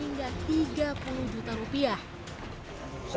segera mendirikan kelanjutan daripada kerajaan mataram